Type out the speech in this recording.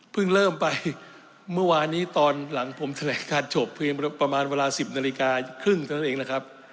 เริ่มไปเมื่อวานนี้ตอนหลังผมแถลงการจบเพียงประมาณเวลา๑๐นาฬิกาครึ่งเท่านั้นเองนะครับ